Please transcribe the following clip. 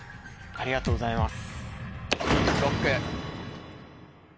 ありがとうございます。